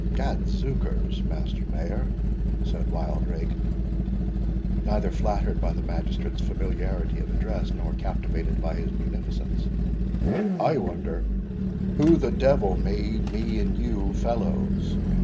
"Gadzookers, Master Mayor," said, Wildrake, neither flattered by the magistrate's familiarity of address, nor captivated by his munificence— "I wonder who the devil made you and me fellows?